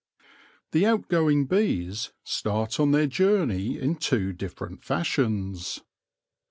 The outgoing bees start on their journey in two different fashions.